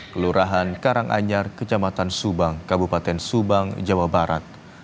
kelurahan karanganyar kecamatan subang kabupaten subang jawa barat